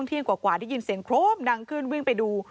เที่ยงกว่าได้ยินเสียงโครมดังขึ้นวิ่งไปดู